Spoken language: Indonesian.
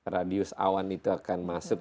radius awan itu akan masuk